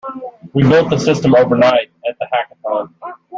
We built the system overnight at the Hackathon.